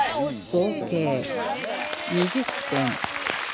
合計２０点